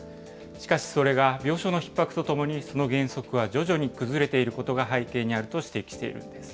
しかし、それが病床のひっ迫とともに、その原則は徐々に崩れていることが背景にあると指摘しているんです。